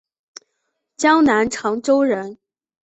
江南长洲人。